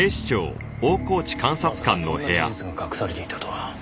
まさかそんな事実が隠されていたとは。